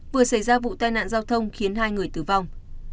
vừa xảy ra vụ tai nạn giao thông khiến hai người tử vong